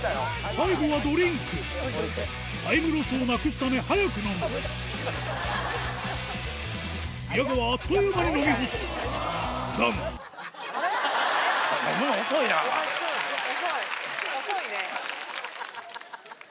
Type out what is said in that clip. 最後はドリンクタイムロスをなくすため早く飲む宮川あっという間に飲み干すだが遅い遅いね。